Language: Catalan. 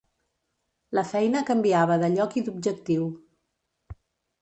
La feina canviava de lloc i d’objectiu.